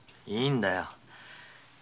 いいんだよ